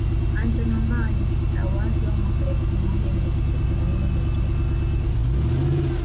Antony wa Ngao alitawazwa mwaka elfu moja mia tisa themanini na tisa